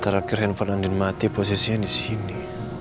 terakhir handphone andi mati posisinya disini